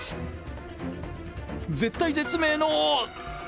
絶体絶命の。